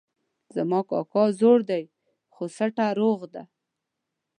زما کاکا زوړ ده خو سټه روغ ده